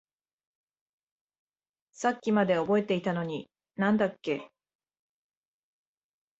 さっきまで覚えていたのに何だっけ？